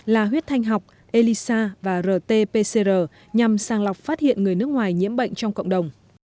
là huyết thanh học elisa và rt pcr nhằm sàng lọc phát hiện người nước ngoài nhiễm bệnh trong cộng đồng